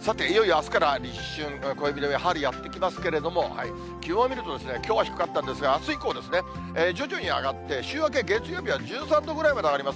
さて、いよいよあすから立春、暦の上で春やって来ますけれども、気温を見ると、きょうは低かったんですが、あす以降ですね、徐々に上がって、週明け月曜日は１３度ぐらいまで上がります。